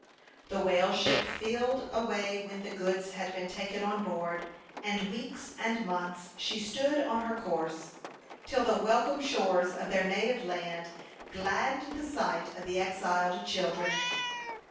The whale ship filled away when the goods had been taken on board, and weeks and months she stood on her course, till the welcome shores of their native land gladdened the sight of the exiled children.